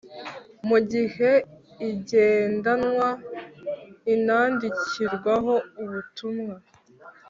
mu gihe igendanwa inandikirwaho ubutmwa